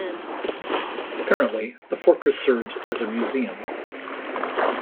Currently, the fortress serves as a museum.